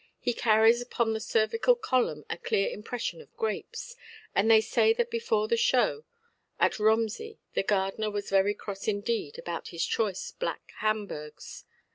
He carries upon the cervical column a clear impression of grapes, and they say that before the show at Romsey the gardener was very cross indeed about his choice Black Hamburgs.